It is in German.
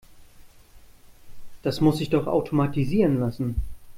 Das muss sich doch automatisieren lassen.